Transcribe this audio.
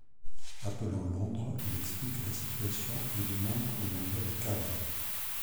Appelant Londres, il explique la situation et demande qu'on lui envoie des cadres.